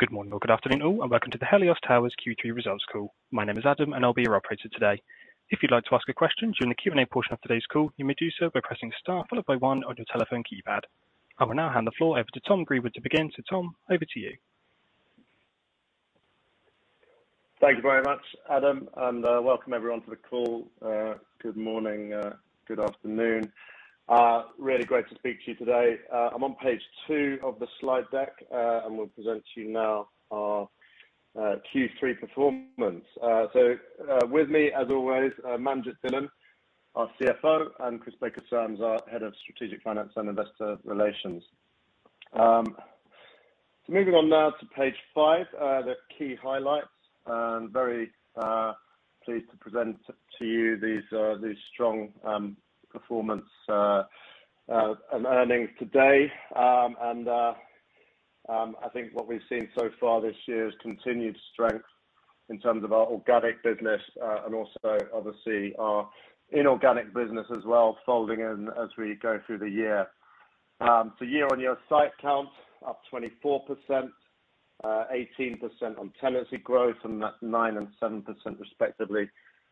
Good morning or good afternoon all, and welcome to the Helios Towers Q3 results call. My name is Adam, and I'll be your operator today. If you'd like to ask a question during the Q&A portion of today's call, you may do so by pressing star followed by one on your telephone keypad. I will now hand the floor over to Tom Greenwood to begin. Tom, over to you. Thank you very much, Adam, and welcome everyone to the call. Good morning or good afternoon. Really great to speak to you today. I'm on page 2 of the slide deck, and we'll present to you now our Q3 performance. With me as always, Manjit Dhillon, our CFO, and Chris Baker-Sams, our Head of Strategic Finance and Investor Relations. Moving on now to page 5, the key highlights. Very pleased to present to you these strong performance and earnings today. I think what we've seen so far this year is continued strength in terms of our organic business, and also obviously our inorganic business as well, folding in as we go through the year. Year-on-year site count up 24%, 18% on tenancy growth, and that's 9% and 7% respectively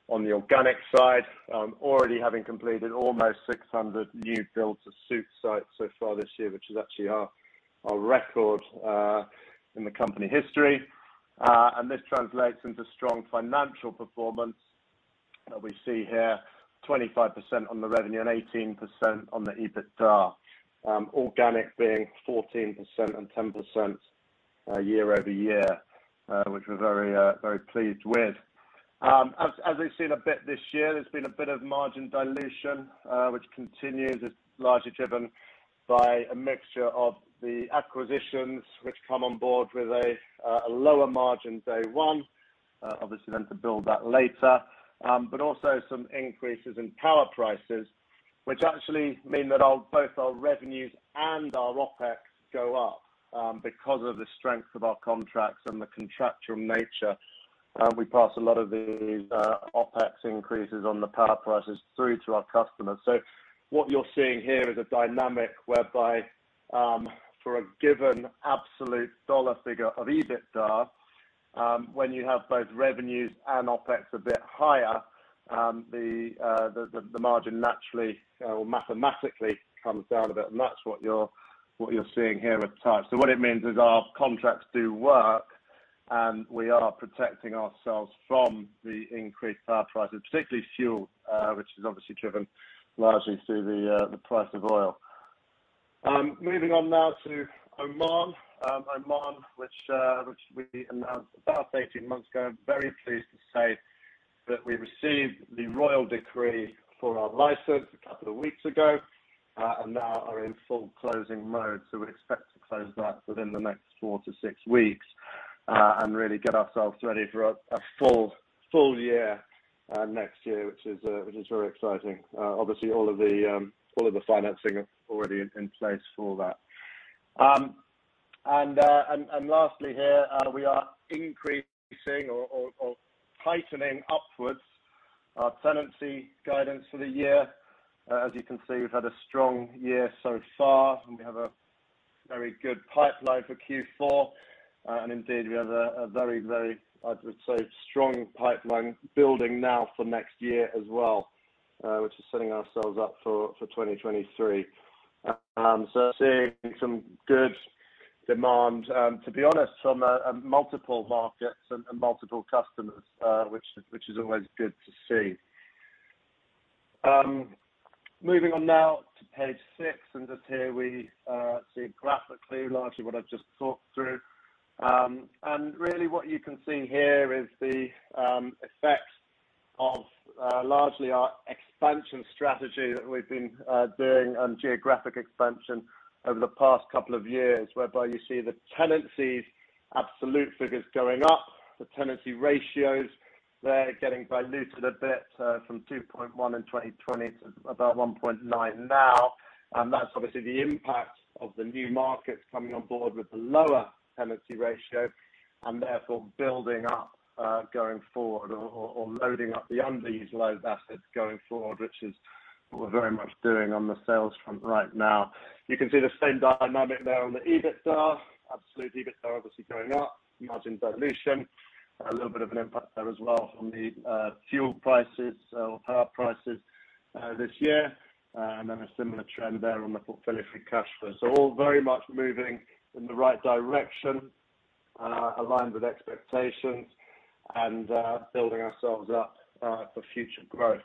on the organic side. Already having completed almost 600 new build to suit sites so far this year, which is actually our record in the company history. This translates into strong financial performance that we see here, 25% on the revenue and 18% on the EBITDA. Organic being 14% and 10% year-over-year, which we're very pleased with. As we've seen a bit this year, there's been a bit of margin dilution, which continues. It's largely driven by a mixture of the acquisitions which come on board with a lower margin day one, obviously then to build that later. Also some increases in power prices, which actually mean that our both our revenues and our OpEx go up, because of the strength of our contracts and the contractual nature. We pass a lot of these OpEx increases on the power prices through to our customers. What you're seeing here is a dynamic whereby, for a given absolute dollar figure of EBITDA, when you have both revenues and OpEx a bit higher, the margin naturally or mathematically comes down a bit. That's what you're seeing here at the time. What it means is our contracts do work, and we are protecting ourselves from the increased power prices, particularly fuel, which is obviously driven largely through the price of oil. Moving on now to Oman. Oman, which we announced about 18 months ago. I'm very pleased to say that we received the royal decree for our license a couple of weeks ago, and now are in full closing mode. We expect to close that within the next 4-6 weeks, and really get ourselves ready for a full year next year, which is very exciting. Obviously all of the financing is already in place for that. Lastly here, we are increasing or tightening upwards our tenancy guidance for the year. As you can see, we've had a strong year so far, and we have a very good pipeline for Q4. Indeed we have a very, I would say, strong pipeline building now for next year as well, which is setting ourselves up for 2023. Seeing some good demand, to be honest, from multiple markets and multiple customers, which is always good to see. Moving on now to page 6, just here we see graphically largely what I've just talked through. Really what you can see here is the effect of largely our expansion strategy that we've been doing on geographic expansion over the past couple of years, whereby you see the tenancies absolute figures going up. The tenancy ratios, they're getting diluted a bit, from 2.1 in 2020 to about 1.9 now. That's obviously the impact of the new markets coming on board with the lower tenancy ratio and therefore building up, going forward or loading up the underutilized assets going forward, which is what we're very much doing on the sales front right now. You can see the same dynamic there on the EBITDA. Absolute EBITDA obviously going up, margin dilution. A little bit of an impact there as well from the fuel prices or power prices this year. A similar trend there on the portfolio free cash flow. All very much moving in the right direction, aligned with expectations and building ourselves up for future growth.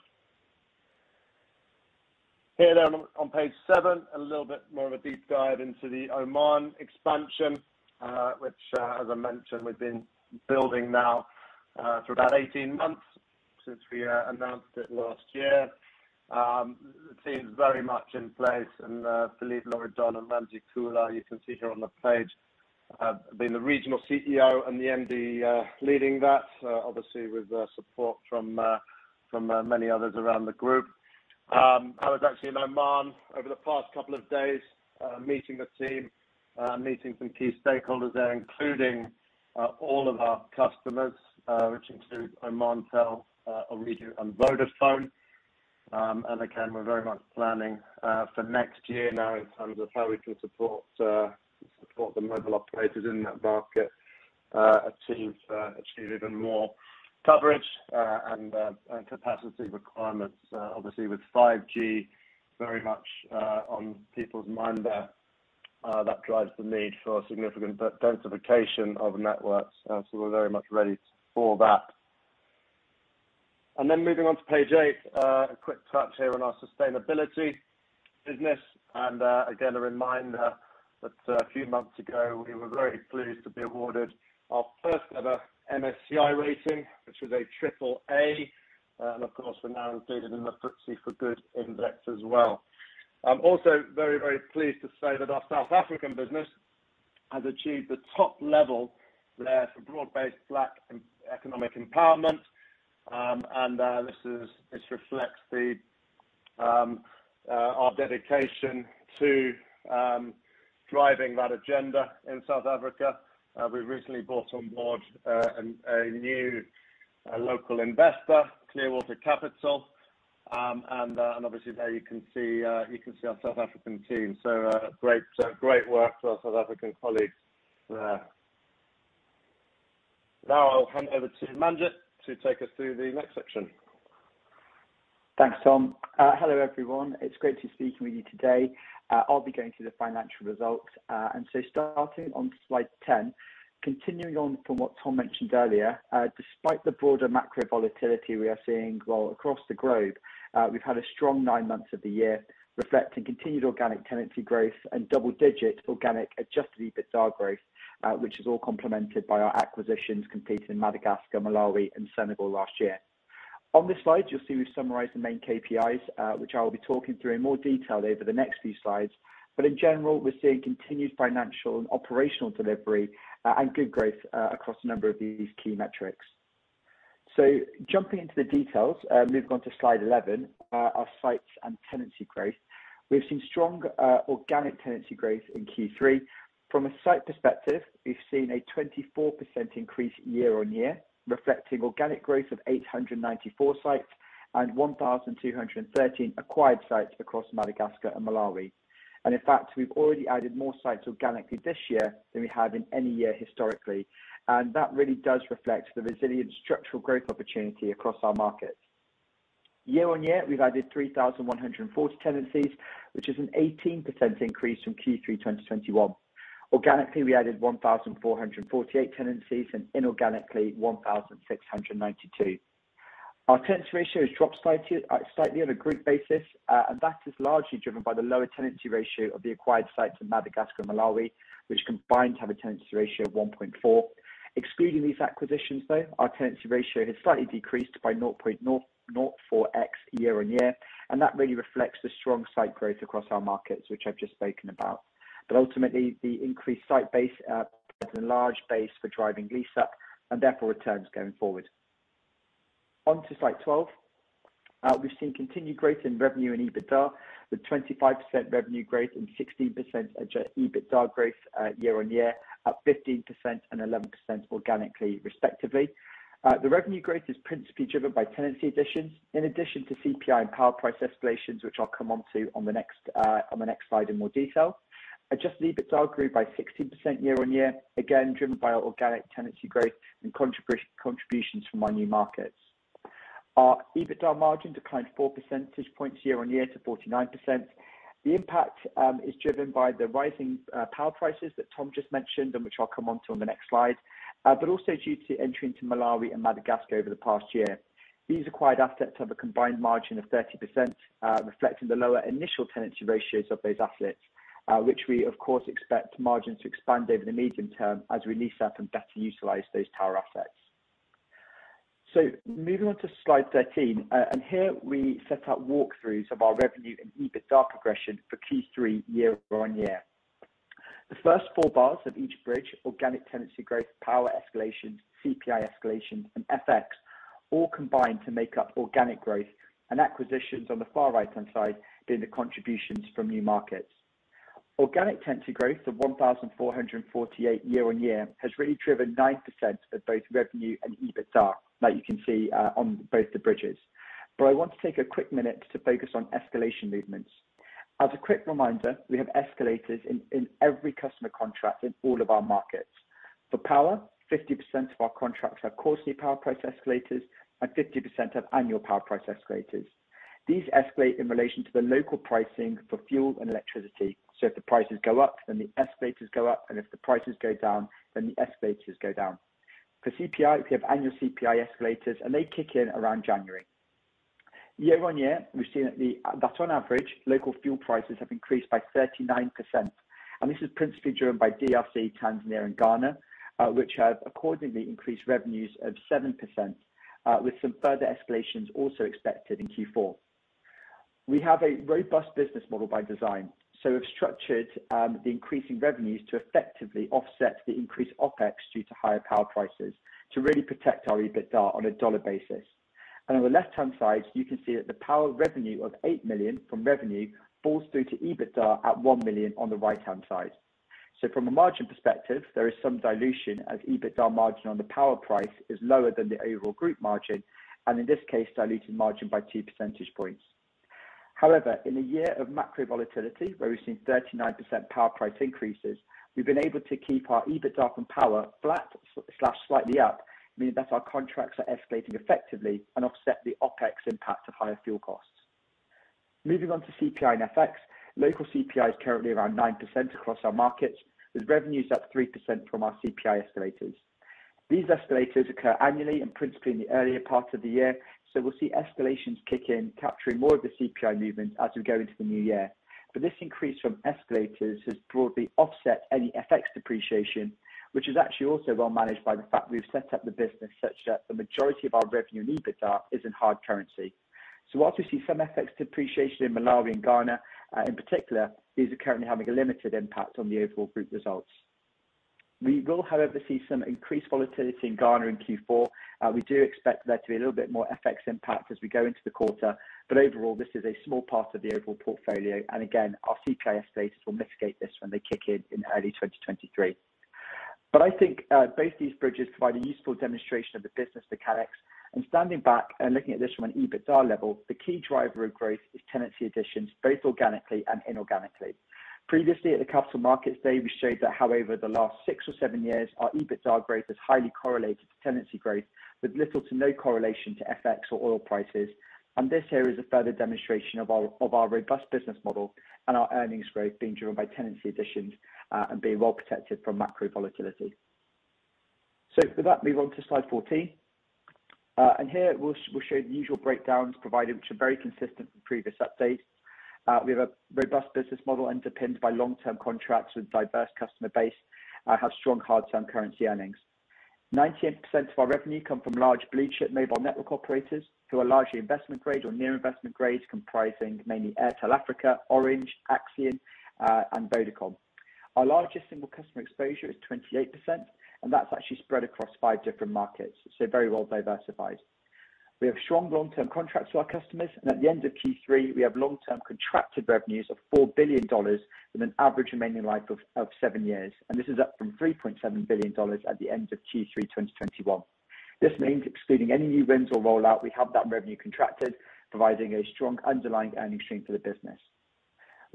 Here on page 7, a little bit more of a deep dive into the Oman expansion, which, as I mentioned, we've been building now for about 18 months since we announced it last year. The team's very much in place and, Philippe Loridon and Ramzi Khoury, you can see here on the page, being the regional CEO and the MD, leading that, obviously with the support from many others around the group. I was actually in Oman over the past couple of days, meeting the team, meeting some key stakeholders there, including all of our customers, which include Omantel, Ooredoo and Vodafone. Again, we're very much planning for next year now in terms of how we can support the mobile operators in that market, achieve even more coverage, and capacity requirements. Obviously with 5G very much on people's mind there, that drives the need for significant densification of networks. We're very much ready for that. Moving on to page 8, a quick touch here on our sustainability business, and again, a reminder that a few months ago, we were very pleased to be awarded our first ever MSCI rating, which was a triple A. Of course, we're now included in the FTSE4Good index as well. I'm also very, very pleased to say that our South African business has achieved the top level there for Broad-Based Black Economic Empowerment. This reflects our dedication to driving that agenda in South Africa. We recently brought on board a new local investor, Clearwater Capital. Obviously there you can see our South African team. Great, great work to our South African colleagues there. Now, I'll hand over to Manjit to take us through the next section. Thanks, Tom. Hello, everyone. It's great to be speaking with you today. I'll be going through the financial results. Starting on Slide 10, continuing on from what Tom mentioned earlier, despite the broader macro volatility we are seeing well across the globe, we've had a strong nine months of the year reflecting continued organic tenancy growth and double-digit organic adjusted EBITDA growth, which is all complemented by our acquisitions completed in Madagascar, Malawi, and Senegal last year. On this slide, you'll see we've summarized the main KPIs, which I will be talking through in more detail over the next few slides. In general, we're seeing continued financial and operational delivery, and good growth, across a number of these key metrics. Jumping into the details, moving on to Slide 11, our sites and tenancy growth. We've seen strong organic tenancy growth in Q3. From a site perspective, we've seen a 24% increase year-on-year, reflecting organic growth of 894 sites and 1,213 acquired sites across Madagascar and Malawi. In fact, we've already added more sites organically this year than we have in any year historically. That really does reflect the resilient structural growth opportunity across our markets. Year-on-year, we've added 3,140 tenancies, which is an 18% increase from Q3 2021. Organically, we added 1,448 tenancies, and inorganically, 1,692. Our tenancy ratio has dropped slightly on a group basis, and that is largely driven by the lower tenancy ratio of the acquired sites in Madagascar and Malawi, which combined to have a tenancy ratio of 1.4. Excluding these acquisitions, though, our tenancy ratio has slightly decreased by 0.004x year-on-year, and that really reflects the strong site growth across our markets, which I've just spoken about. Ultimately, the increased site base provides a large base for driving lease-up and therefore returns going forward. On to Slide 12. We've seen continued growth in revenue and EBITDA, with 25% revenue growth and 16% adjusted EBITDA growth year-on-year, up 15% and 11% organically, respectively. The revenue growth is principally driven by tenancy additions, in addition to CPI and power price escalations, which I'll come on to on the next slide in more detail. Adjusted EBITDA grew by 16% year-on-year, again, driven by our organic tenancy growth and contributions from our new markets. Our EBITDA margin declined 4 percentage points year-on-year to 49%. The impact is driven by the rising power prices that Tom just mentioned, and which I'll come on to on the next slide, but also due to entry into Malawi and Madagascar over the past year. These acquired assets have a combined margin of 30%, reflecting the lower initial tenancy ratios of those assets, which we of course expect margins to expand over the medium term as we lease-up and better utilize those tower assets. Moving on to Slide 13. Here we set out walkthroughs of our revenue and EBITDA progression for Q3 year-on-year. The first four bars of each bridge, organic tenancy growth, power escalation, CPI escalation, and FX, all combine to make up organic growth and acquisitions on the far right-hand side being the contributions from new markets. Organic tenancy growth of 1,448 year-on-year has really driven 9% of both revenue and EBITDA, that you can see, on both the bridges. I want to take a quick minute to focus on escalation movements. As a quick reminder, we have escalators in every customer contract in all of our markets. For power, 50% of our contracts have quarterly power price escalators and 50% have annual power price escalators. These escalate in relation to the local pricing for fuel and electricity. If the prices go up, then the escalators go up, and if the prices go down, then the escalators go down. For CPI, we have annual CPI escalators, and they kick in around January. Year-on-year, we've seen that on average, local fuel prices have increased by 39%. This is principally driven by DRC, Tanzania, and Ghana, which have accordingly increased revenues of 7%, with some further escalations also expected in Q4. We have a robust business model by design. We've structured the increasing revenues to effectively offset the increased OpEx due to higher power prices to really protect our EBITDA on a dollar basis. On the left-hand side, you can see that the power revenue of $8 million from revenue falls through to EBITDA at $1 million on the right-hand side. From a margin perspective, there is some dilution as EBITDA margin on the power price is lower than the overall group margin, and in this case diluted margin by 2 percentage points. However, in a year of macro volatility where we've seen 39% power price increases, we've been able to keep our EBITDA from power flat or slightly up, meaning that our contracts are escalating effectively and offset the OpEx impact of higher fuel costs. Moving on to CPI and FX. Local CPI is currently around 9% across our markets, with revenues up 3% from our CPI escalators. These escalators occur annually and principally in the earlier part of the year. We'll see escalations kick in, capturing more of the CPI movements as we go into the new year. But this increase from escalators has broadly offset any FX depreciation, which is actually also well managed by the fact we've set up the business such that the majority of our revenue and EBITDA is in hard currency. While we see some FX depreciation in Malawi and Ghana, in particular, these are currently having a limited impact on the overall group results. We will, however, see some increased volatility in Ghana in Q4. We do expect there to be a little bit more FX impact as we go into the quarter, but overall, this is a small part of the overall portfolio, and again, our CPI escalators will mitigate this when they kick in in early 2023. I think both these bridges provide a useful demonstration of the business mechanics. Standing back and looking at this from an EBITDA level, the key driver of growth is tenancy additions, both organically and inorganically. Previously at the Capital Markets Day, we showed that however the last six or seven years our EBITDA growth has highly correlated to tenancy growth with little to no correlation to FX or oil prices. This here is a further demonstration of our robust business model and our earnings growth being driven by tenancy additions, and being well protected from macro volatility. With that, move on to Slide 14. Here we'll show the usual breakdowns provided, which are very consistent with previous updates. We have a robust business model underpinned by long-term contracts with diverse customer base, have strong hard currency earnings. 98% of our revenue come from large blue chip mobile network operators who are largely investment grade or near investment grade, comprising mainly Airtel Africa, Orange, Axiata, and Vodacom. Our largest single customer exposure is 28%, and that's actually spread across five different markets, so very well diversified. We have strong long-term contracts to our customers, and at the end of Q3, we have long-term contracted revenues of $4 billion with an average remaining life of seven years. This is up from $3.7 billion at the end of Q3 2021. This means excluding any new wins or rollout, we have that revenue contracted, providing a strong underlying earning stream for the business.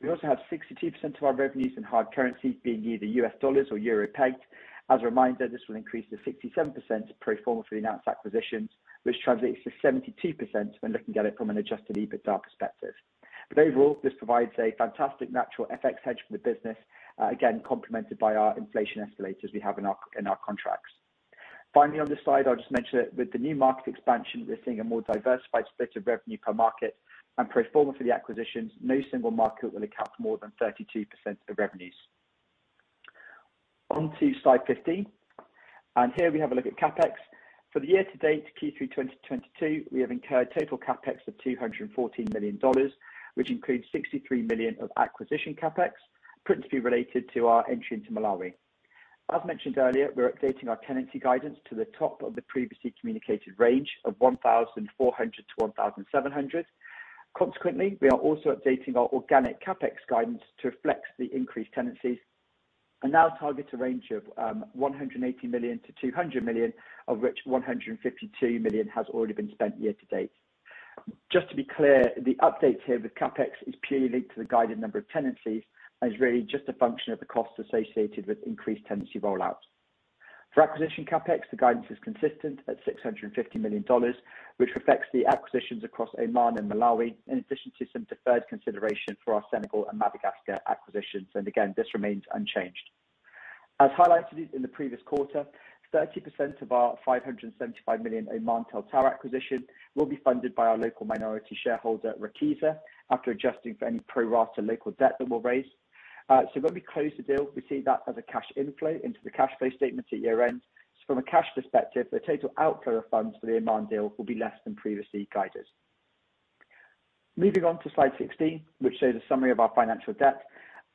We also have 62% of our revenues in hard currency being either US dollars or euro pegged. As a reminder, this will increase to 67% pro forma for the announced acquisitions, which translates to 72% when looking at it from an adjusted EBITDA perspective. Overall, this provides a fantastic natural FX hedge for the business, again complemented by our inflation escalators we have in our contracts. Finally, on this slide, I'll just mention that with the new market expansion, we're seeing a more diversified split of revenue per market and pro forma for the acquisitions. No single market will account for more than 32% of revenues. On to Slide 15. Here we have a look at CapEx. For the year to date Q3 2022, we have incurred total CapEx of $214 million, which includes $63 million of acquisition CapEx, principally related to our entry into Malawi. As mentioned earlier, we're updating our tenancy guidance to the top of the previously communicated range of 1,400-1,700. Consequently, we are also updating our organic CapEx guidance to reflect the increased tenancies and now target a range of $180 million-$200 million, of which $152 million has already been spent year to date. Just to be clear, the updates here with CapEx is purely to the guided number of tenancies and is really just a function of the costs associated with increased tenancy rollouts. For acquisition CapEx, the guidance is consistent at $650 million, which reflects the acquisitions across Oman and Malawi, in addition to some deferred consideration for our Senegal and Madagascar acquisitions. Again, this remains unchanged. As highlighted in the previous quarter, 30% of our $575 million Omantel acquisition will be funded by our local minority shareholder, Rakiza, after adjusting for any pro rata local debt that we'll raise. When we close the deal, we see that as a cash inflow into the cash flow statement at year-end. From a cash perspective, the total outflow of funds for the Oman deal will be less than previously guided. Moving on to Slide 16, which shows a summary of our financial debt.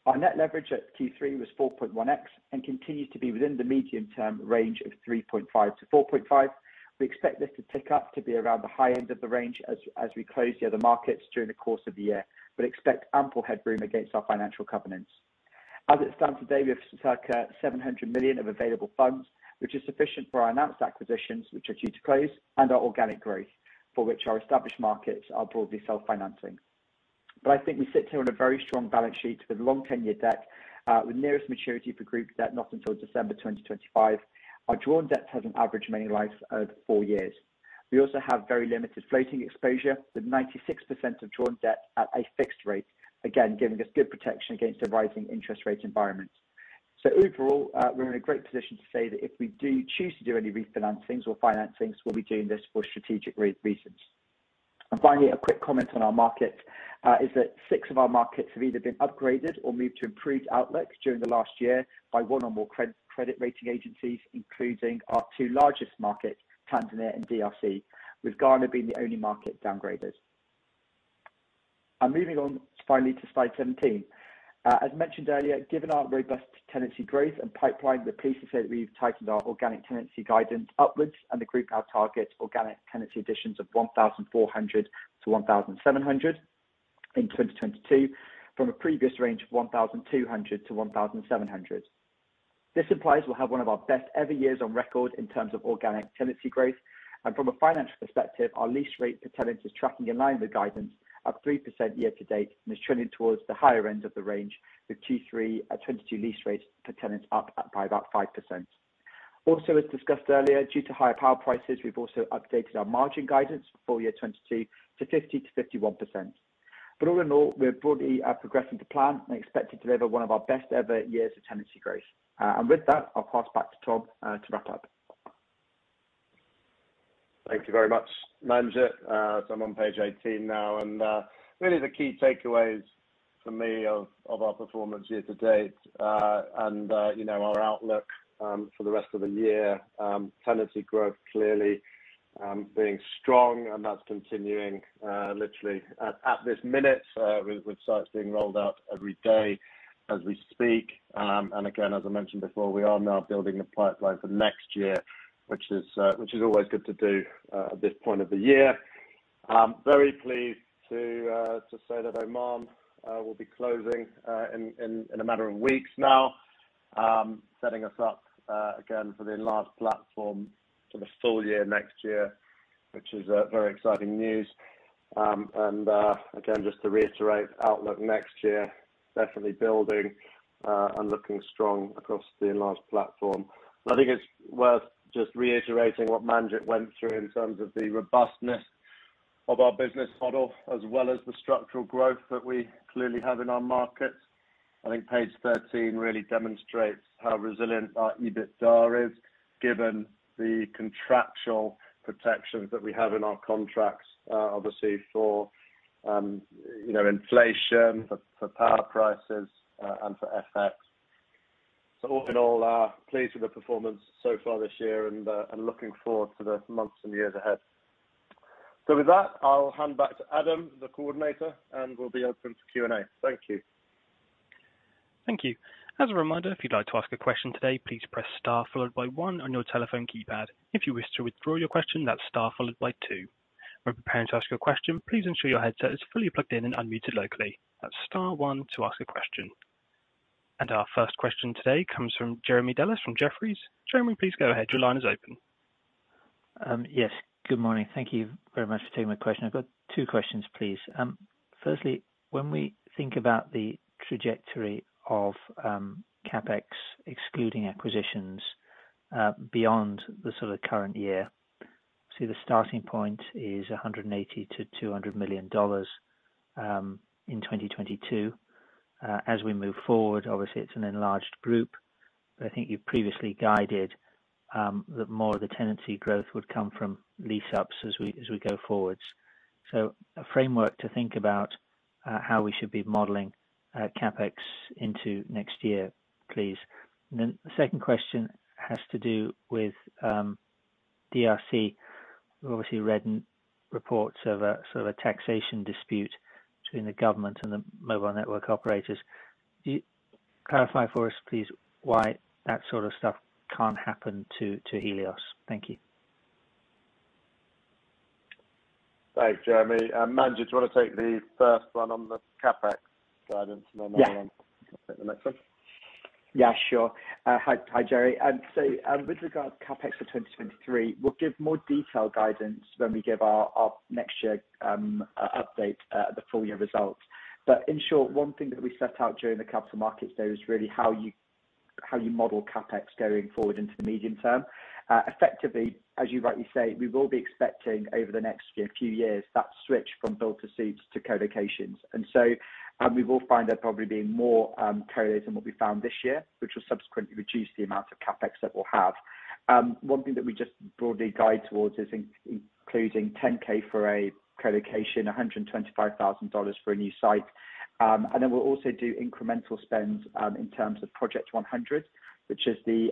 Our net leverage at Q3 was 4.1x and continues to be within the medium-term range of 3.5-4.5. We expect this to tick up to be around the high end of the range as we close the other markets during the course of the year, but expect ample headroom against our financial covenants. As it stands today, we have circa $700 million of available funds, which is sufficient for our announced acquisitions, which are due to close, and our organic growth, for which our established markets are broadly self-financing. I think we sit here on a very strong balance sheet with long 10-year debt, with nearest maturity for group debt, not until December 2025. Our drawn debt has an average remaining life of four years. We also have very limited floating exposure, with 96% of drawn debt at a fixed rate, again, giving us good protection against a rising interest rate environment. Overall, we're in a great position to say that if we do choose to do any refinancings or financings, we'll be doing this for strategic reasons. Finally, a quick comment on our markets is that six of our markets have either been upgraded or moved to improved outlook during the last year by one or more credit rating agencies, including our two largest markets, Tanzania and DRC, with Ghana being the only market downgraded. Moving on finally to Slide 17. As mentioned earlier, given our robust tenancy growth and pipeline, we're pleased to say that we've tightened our organic tenancy guidance upwards and the group now targets organic tenancy additions of 1,400-1,700 in 2022 from a previous range of 1,200-1,700. This implies we'll have one of our best ever years on record in terms of organic tenancy growth, and from a financial perspective, our lease rate per tenant is tracking in line with guidance up 3% year-to-date and is trending towards the higher end of the range with Q3 at 2.2, lease rate per tenant up by about 5%. Also as discussed earlier, due to higher power prices, we've also updated our margin guidance for full-year 2022 to 50%-51%. All in all, we're broadly progressing to plan and expected to deliver one of our best ever years of tenancy growth. With that, I'll pass back to Tom to wrap up. Thank you very much, Manjit. I'm on page 18 now, and really the key takeaways for me of our performance year to date, and you know our outlook for the rest of the year, tenancy growth clearly being strong, and that's continuing literally at this minute with sites being rolled out every day as we speak. Again, as I mentioned before, we are now building the pipeline for next year, which is always good to do at this point of the year. Very pleased to say that Oman will be closing in a matter of weeks now, setting us up again for the enlarged platform for the full year next year, which is very exciting news. Again, just to reiterate, outlook next year, definitely building and looking strong across the enlarged platform. I think it's worth just reiterating what Manjit went through in terms of the robustness of our business model as well as the structural growth that we clearly have in our markets. I think page 13 really demonstrates how resilient our EBITDA is given the contractual protections that we have in our contracts, obviously for, inflation, for power prices, and for FX. All in all, pleased with the performance so far this year and looking forward to the months and years ahead. With that, I'll hand back to Adam, the coordinator, and we'll be open for Q&A. Thank you. Thank you. As a reminder, if you'd like to ask a question today, please press star followed by one on your telephone keypad. If you wish to withdraw your question, that's star followed by two. When preparing to ask your question, please ensure your headset is fully plugged in and unmuted locally. That's star one to ask a question. Our first question today comes from Jeremy Evans from Jefferies. Jeremy, please go ahead. Your line is open. Yes. Good morning. Thank you very much for taking my question. I've got two questions, please. Firstly, when we think about the trajectory of CapEx excluding acquisitions beyond the current year. See the starting point is $180 million-$200 million in 2022. As we move forward, obviously it's an enlarged group, but I think you previously guided that more of the tenancy growth would come from lease-ups as we go forwards. A framework to think about how we should be modeling CapEx into next year, please. Then the second question has to do with DRC. We've obviously read reports of a taxation dispute between the government and the mobile network operators. Could you clarify for us please why that stuff can't happen to Helios? Thank you. Thanks, Jeremy. Manjit, do you want to take the first one on the CapEx guidance? Yes. I'll take the next one. Yes, sure. Hi, Jeremy. With regard to CapEx for 2023, we'll give more detailed guidance when we give our next year update at the full year results. In short, one thing that we set out during the Capital Markets Day was really how you model CapEx going forward into the medium term. Effectively, as you rightly say, we will be expecting over the next few years that switch from build to suit to co-locations. We will find there probably being more co-lo than what we found this year, which will subsequently reduce the amount of CapEx that we'll have. One thing that we just broadly guide towards is including $10,000 for a co-location, $125,000 for a new site. We'll also do incremental spends in terms of Project 100, which is the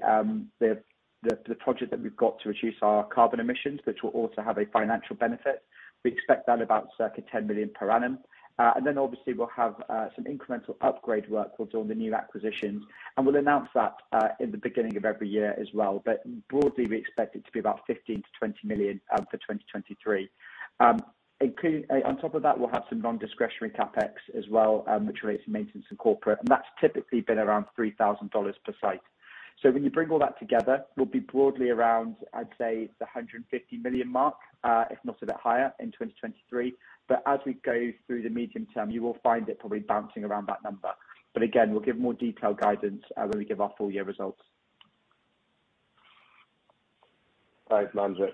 project that we've got to reduce our carbon emissions, which will also have a financial benefit. We expect about circa $10 million per annum. Obviously we'll have some incremental upgrade work we'll do on the new acquisitions, and we'll announce that in the beginning of every year as well. Broadly, we expect it to be about $15 million-$20 million for 2023. On top of that, we'll have some non-discretionary CapEx as well, which relates to maintenance and corporate, and that's typically been around $3,000 per site. When you bring all that together, we'll be broadly around, I'd say, $150 million, if not a bit higher in 2023. As we go through the medium term, you will find it probably bouncing around that number. Again, we'll give more detailed guidance when we give our full year results. Thanks, Manjit.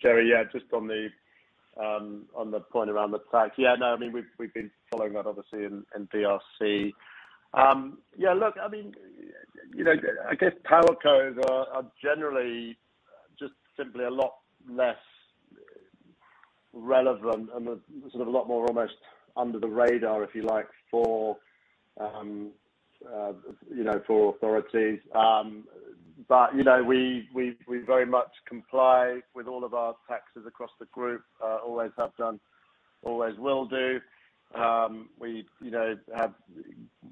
Jeremy Evans, Yes, just on the point around the tax. WE've been following that obviously in DRC. Look, I guess tower cos are generally just simply a lot less relevant and a lot more almost under the radar, if you like, for authorities. We very much comply with all of our taxes across the group, always have done, always will do. We have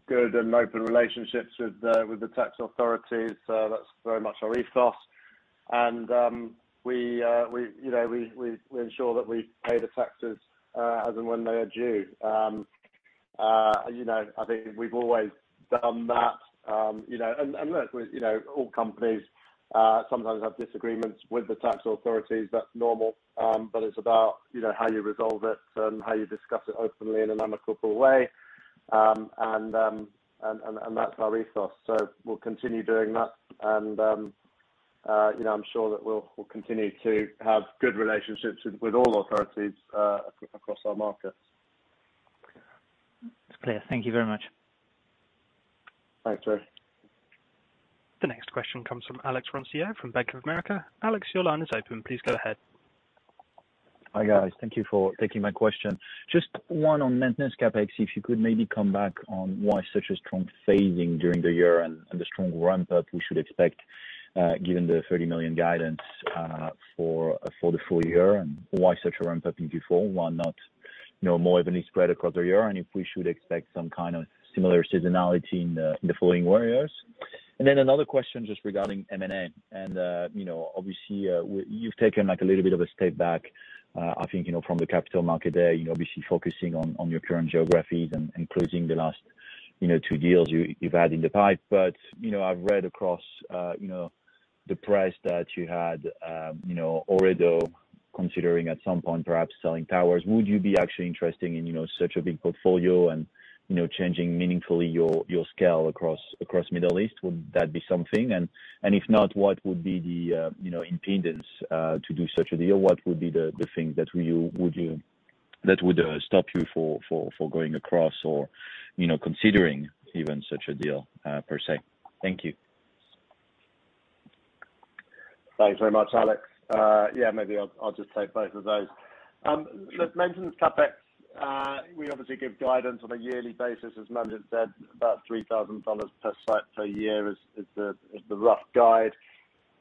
good and open relationships with the tax authorities, that's very much our ethos. We we ensure that we pay the taxes as and when they are due. I think we've always done that. Look, all companies sometimes have disagreements with the tax authorities, that's normal. It's about, how you resolve it and how you discuss it openly in an amicable way. That's our ethos. We'll continue doing that and, I'm sure that we'll continue to have good relationships with all authorities across our markets. It's clear. Thank you very much. Thanks, Jeremy Evans. The next question comes from Alexandre Ronvaux from Bank of America. Alex, your line is open. Please go ahead. Hi, guys. Thank you for taking my question. Just one on maintenance CapEx, if you could maybe come back on why such a strong phasing during the year and the strong ramp up we should expect, given the $30 million guidance for the full year, and why such a ramp up in Q4? Why not more evenly spread across the year? If we should expect some similar seasonality in the following years. Another question just regarding M&A. obviously, you've taken a little bit of a step back, I think, from the capital market there, obviously focusing on your current geographies and including the last two deals you've had in the pipe. I've read across the press that you had already though considering at some point perhaps selling towers. Would you be actually interested in such a big portfolio and changing meaningfully your scale across Middle East? Would that be something? If not, what would be the impediment to do such a deal? What would be the thing that would stop you from going across or considering even such a deal per se? Thank you. Thanks very much, Alex. Maybe I'll just take both of those. The maintenance CapEx, we obviously give guidance on a yearly basis. As Manjit said, about $3,000 per site per year is the rough guide.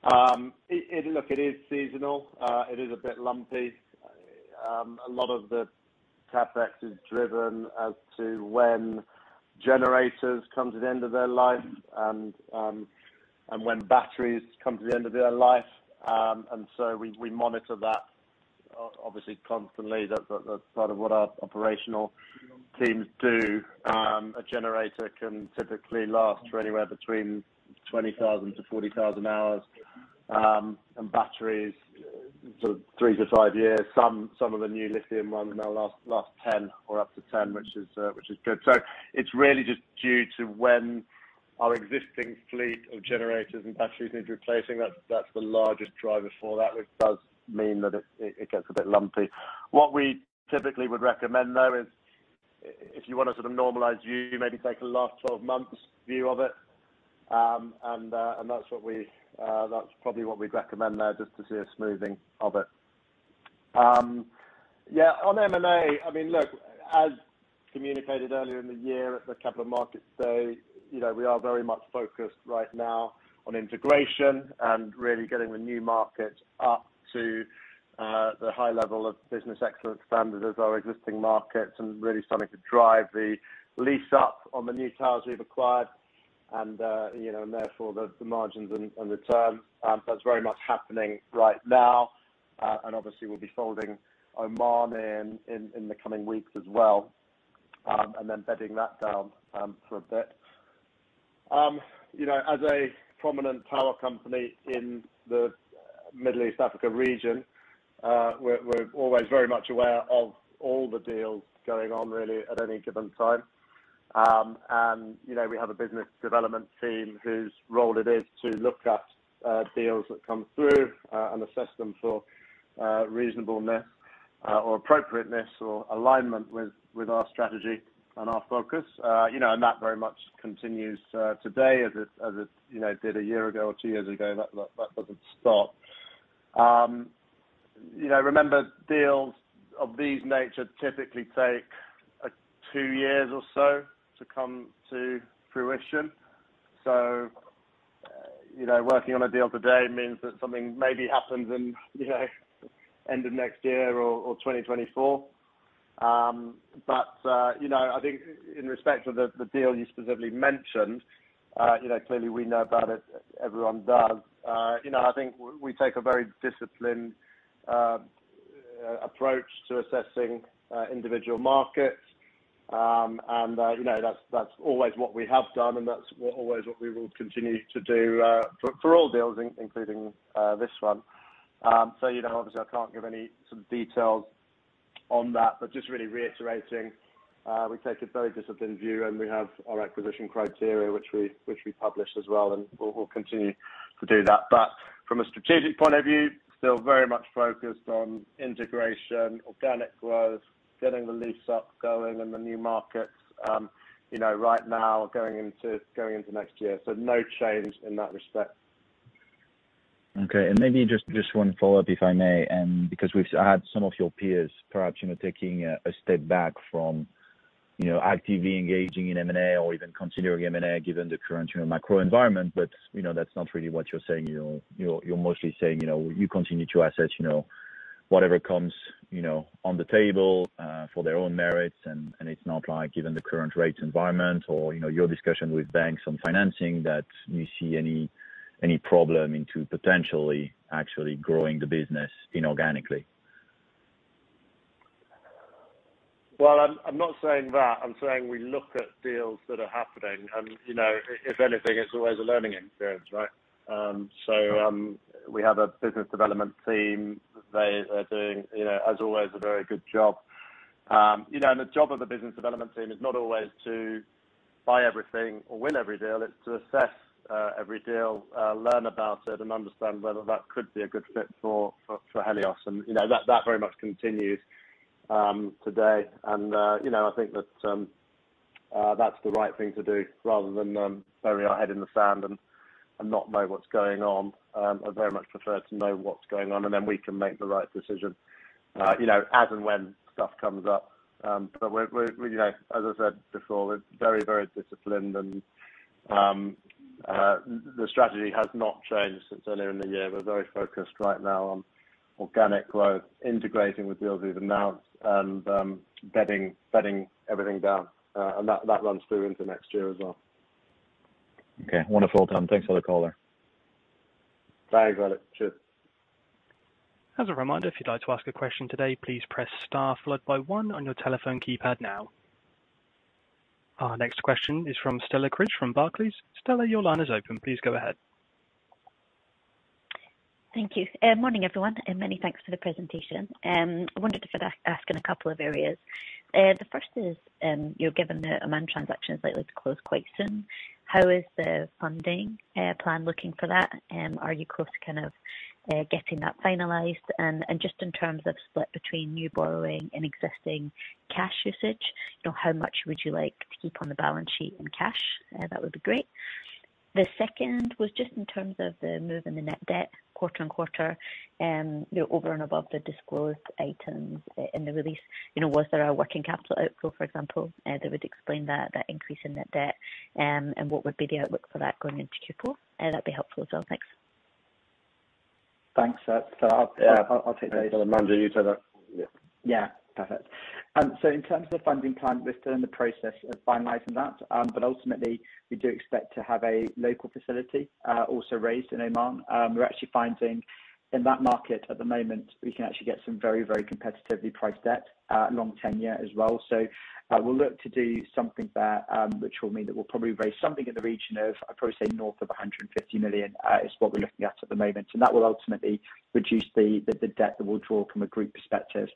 Look, it is seasonal. It is a bit lumpy. A lot of the CapEx is driven as to when generators come to the end of their life and when batteries come to the end of their life. We monitor that obviously constantly. That's part of what our operational teams do. A generator can typically last for anywhere between 20,000-40,000 hours, and batteries 3-5 years. Some of the new lithium ones now last 10 or up to 10, which is good. It's really just due to when our existing fleet of generators and batteries need replacing. That's the largest driver for that, which does mean that it gets a bit lumpy. What we typically would recommend, though, is if you want to normalize view, maybe take the last 12 months view of it. That's probably what we'd recommend there just to see a smoothing of it. On M&A, look, as communicated earlier in the year at the Capital Markets Day, we are very much focused right now on integration and really getting the new market up to the high level of business excellence standard as our existing markets and really starting to drive the lease-up on the new towers we've acquired and, and therefore the margins and the terms. That's very much happening right now. Obviously, we'll be folding Oman in in the coming weeks as well, and then bedding that down for a bit. As a prominent tower company in the Middle East, Africa region, we're always very much aware of all the deals going on really at any given time. We have a business development team whose role it is to look at deals that come through and assess them for reasonableness or appropriateness or alignment with our strategy and our focus. That very much continues today as it did a year ago or two years ago. That doesn't stop. Remember, deals of these nature typically take two years or so to come to fruition. Working on a deal today means that something maybe happens in end of next year or 2024. I think in respect of the deal you specifically mentioned, clearly we know about it, everyone does. I think we take a very disciplined approach to assessing individual markets. that's always what we have done, and that's always what we will continue to do for all deals including this one. Obviously, I can't give any details on that, but just really reiterating we take a very disciplined view, and we have our acquisition criteria, which we publish as well, and we'll continue to do that. From a strategic point of view, still very much focused on integration, organic growth, getting the lease up going in the new markets, right now going into next year. No change in that respect. Okay. Maybe just one follow-up, if I may. Because we've had some of your peers perhaps, taking a step back from, actively engaging in M&A or even considering M&A given the current, macro environment. That's not really what you're saying. You're mostly saying, you continue to assess whatever comes, on the table for their own merits, and it's not like given the current rate environment or, your discussion with banks on financing that you see any problem into potentially actually growing the business inorganically. Well, I'm not saying that. I'm saying we look at deals that are happening and, if anything, it's always a learning experience, right? We have a business development team. They are doing, as always, a very good job. The job of a business development team is not always to buy everything or win every deal. It's to assess every deal, learn about it and understand whether that could be a good fit for Helios. That very much continues today. I think that's the right thing to do rather than bury our head in the sand and not know what's going on. I very much prefer to know what's going on, and then we can make the right decision, as and when stuff comes up. We're, as I said before, we're very disciplined and the strategy has not changed since earlier in the year. We're very focused right now on organic growth, integrating with deals we've announced and bedding everything down. That runs through into next year as well. Okay. Wonderful, Tom. Thanks for the call there. Thanks, Alexandre Ronvaux. Cheers. As a reminder, if you'd like to ask a question today, please press star followed by one on your telephone keypad now. Our next question is from Stella Cridge from Barclays. Stella, your line is open. Please go ahead. Thank you. Morning, everyone, and many thanks for the presentation. I wanted to ask in a couple of areas. The first is, given the Oman transaction is likely to close quite soon, how is the funding plan looking for that? Are you close to getting that finalized? Just in terms of split between new borrowing and existing cash usage, how much would you like to keep on the balance sheet in cash? That would be great. The second was just in terms of the move in the net debt quarter and quarter, over and above the disclosed items in the release. Was there a working capital outflow, for example, that would explain that increase in net debt? What would be the outlook for that going into Q4? That'd be helpful as well. Thanks. Thanks. I'll take those. Yes. Stella, Manjit, you take that. Yes. Perfect. In terms of the funding plan, we're still in the process of finalizing that. Ultimately, we do expect to have a local facility, also raised in Oman. We're actually finding in that market at the moment, we can actually get some very competitively priced debt, long tenure as well. We'll look to do something there, which will mean that we'll probably raise something in the region of, I'd probably say north of $150 million, is what we're looking at at the moment. Ultimately, that will reduce the debt that we'll draw from a group perspective.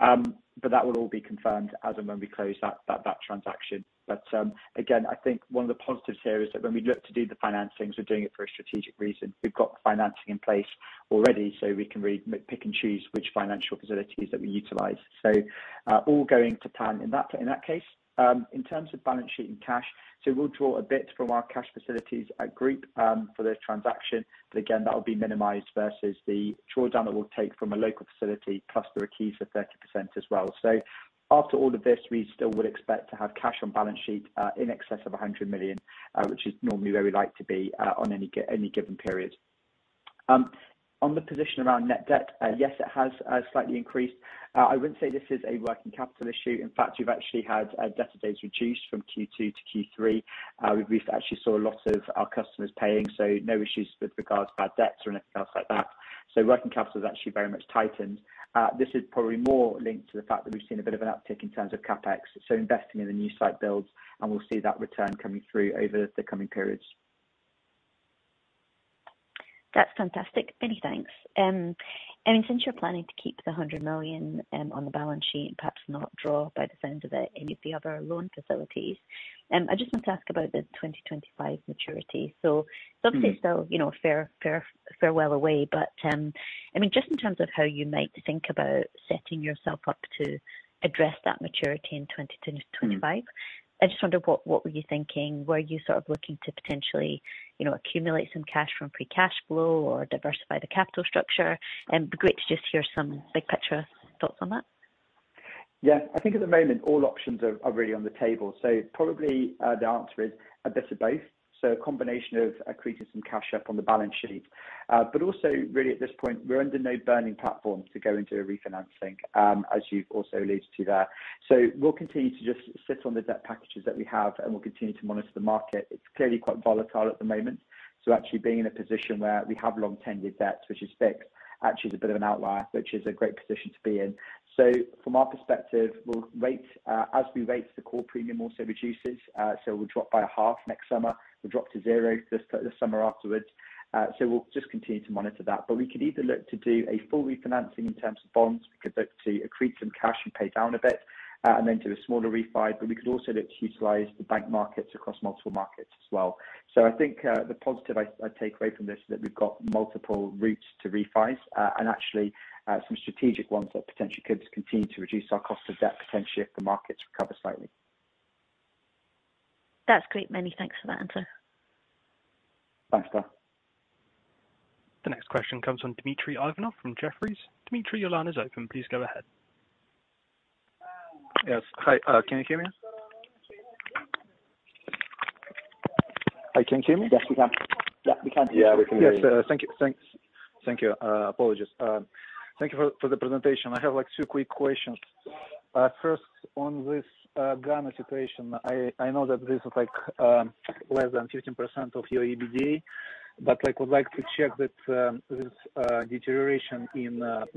That will all be confirmed as and when we close that transaction. I think one of the positives here is that when we look to do the financings, we're doing it for a strategic reason. We've got the financing in place already, so we can pick and choose which financial facilities that we utilize. All going to plan in that case. In terms of balance sheet and cash, we'll draw a bit from our cash facilities at group for this transaction. That will be minimized versus the drawdown that we'll take from a local facility plus the RCF for 30% as well. After all of this, we still would expect to have cash on balance sheet in excess of $100 million, which is normally where we like to be on any given period. On the position around net debt, yes, it has slightly increased. I wouldn't say this is a working capital issue. In fact, we've actually had debtor days reduced from Q2 to Q3. We've actually saw a lot of our customers paying, so no issues with regards to bad debts or anything else like that. Working capital is actually very much tightened. This is probably more linked to the fact that we've seen a bit of an uptick in terms of CapEx, so investing in the new site builds, and we'll see that return coming through over the coming periods. That's fantastic. Many thanks. Since you're planning to keep the $100 million on the balance sheet and perhaps not draw by the sounds of it any of the other loan facilities, I just want to ask about the 2025 maturity. Obviously, still fairly well away, but just in terms of how you might think about setting yourself up to address that maturity in 2025. I just wonder what were you thinking? Were you looking to potentially, accumulate some cash from free cash flow or diversify the capital structure? Be great to just hear some big picture thoughts on that. Yes. I think at the moment, all options are really on the table. Probably, the answer is a bit of both. A combination of accreting some cash up on the balance sheet. Also, really at this point, we're under no burning platforms to go into a refinancing, as you've also alluded to there. We'll continue to just sit on the debt packages that we have, and we'll continue to monitor the market. It's clearly quite volatile at the moment. Actually being in a position where we have long-tenored debts, which is fixed, actually is a bit of an outlier, which is a great position to be in. From our perspective, we'll wait, as we wait, the core premium also reduces. We'll drop by a half next summer. We'll drop to zero this summer afterwards. We'll just continue to monitor that. We could either look to do a full refinancing in terms of bonds. We could look to accrete some cash and pay down a bit, and then do a smaller refi. We could also look to utilize the bank markets across multiple markets as well. I think the positive I take away from this is that we've got multiple routes to refi, and actually some strategic ones that potentially could continue to reduce our cost of debt, potentially if the markets recover slightly. That's great. Many thanks for that answer. Thanks, Stella. The next question comes from Dmitry Ivanov from Jefferies. Dmitry, your line is open. Please go ahead. Yes. Hi. Can you hear me? Yes, we can hear you. Yes, we can hear you. Thank you. Apologies. Thank you for the presentation. I have two quick questions. First, on this Ghana situation. I know that this is like less than 15% of your EBITDA, but I would like to check that this deterioration in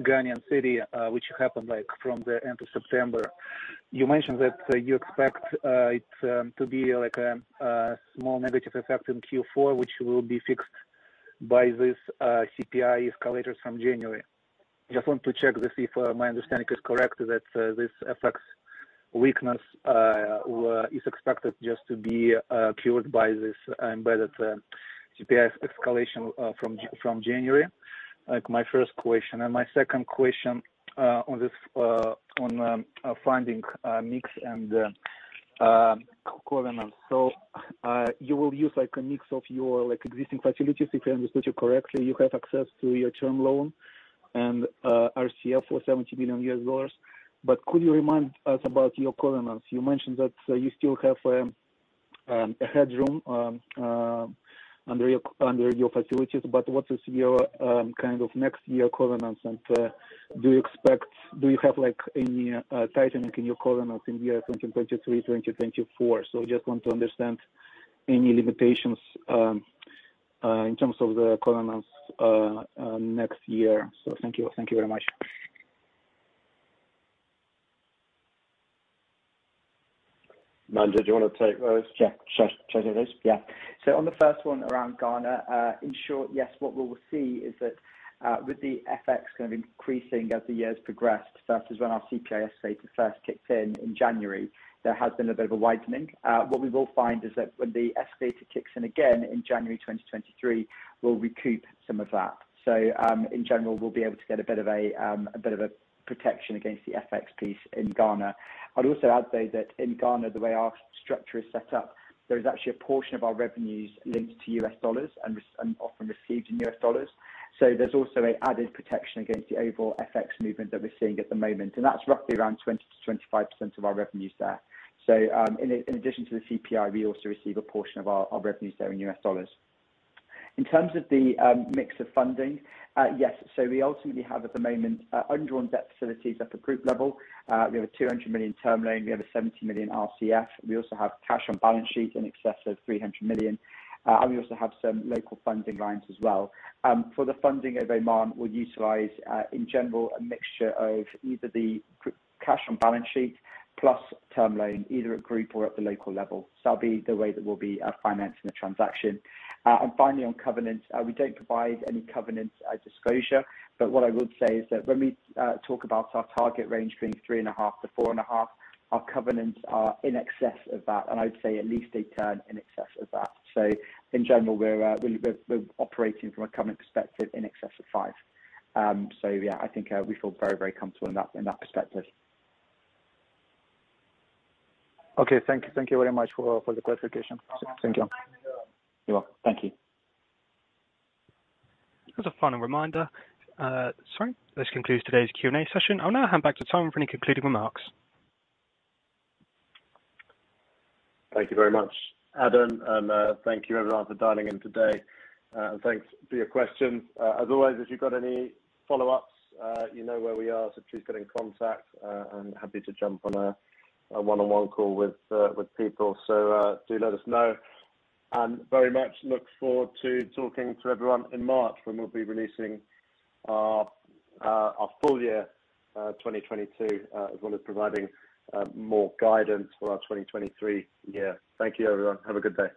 Ghanaian cedi which happened like from the end of September. You mentioned that you expect it to be like a small negative effect in Q4, which will be fixed by this CPI escalators from January. Just want to check to see if my understanding is correct that this FX weakness is expected just to be cured by this by the CPI escalation from January. Like my first question. My second question on funding mix and covenants. You will use like a mix of your like existing facilities, if I understood you correctly. You have access to your term loan and RCF for $70 million. But could you remind us about your covenants? You mentioned that you still have a headroom under your facilities, but what is your next year covenants? Do you have like any tightening in your covenants in year 2023, 2024? Just want to understand any limitations in terms of the covenants next year. Thank you. Thank you very much. Manjit Dhillon, do you want to take those? Yes. On the first one around Ghana, in short, yes, what we will see is that, with the FX increasing as the years progress, versus when our CPI escalator first kicks in in January, there has been a bit of a widening. What we will find is that when the escalator kicks in again in January 2023, we'll recoup some of that. In general, we'll be able to get a bit of a protection against the FX piece in Ghana. I'd also add though that in Ghana, the way our structure is set up, there is actually a portion of our revenues linked to US dollars and often received in US dollars. There's also an added protection against the overall FX movement that we're seeing at the moment, and that's roughly around 20%-25% of our revenues there. In addition to the CPI, we also receive a portion of our revenues there in US dollars. In terms of the mix of funding, yes. We ultimately have at the moment undrawn debt facilities at the group level. We have a $200 million term loan, we have a $70 million RCF. We also have cash on balance sheet in excess of $300 million. We also have some local funding lines as well. For the funding in Oman, we utilize in general a mixture of either the cash on balance sheet plus term loan, either at group or at the local level. That'll be the way that we'll be financing the transaction. Finally on covenants. We don't provide any covenant disclosure, but what I would say is that when we talk about our target range between 3.5-4.5, our covenants are in excess of that, and I'd say at least a turn in excess of that. In general, we're operating from a covenant perspective in excess of five. Yes, I think we feel very comfortable in that perspective. Okay. Thank you. Thank you very much for the clarification. Thank you. You're welcome. Thank you. As a final reminder, this concludes today's Q&A session. I'll now hand back to Tom for any concluding remarks. Thank you very much, Adam. Thank you everyone for dialing in today. Thanks for your questions. As always, if you've got any follow-ups, you know where we are, so please get in contact. I'm happy to jump on a one-on-one call with people. Do let us know. Very much look forward to talking to everyone in March when we'll be releasing our full year 2022 as well as providing more guidance for our 2023 year. Thank you, everyone. Have a good day.